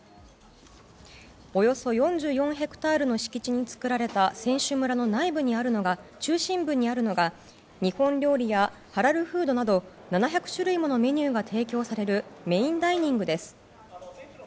およそ４４ヘクタールの敷地に作られた選手村の中心部にあるのが日本料理やハラルフードなど７００種類ものメニューが提供されるメインダイニングです。